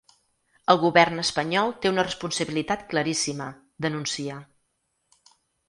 El govern espanyol té una responsabilitat claríssima, denuncia.